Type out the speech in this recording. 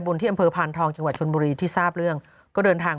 ที่อำเภอพานทองจังหวัดชนบุรีที่ทราบเรื่องก็เดินทาง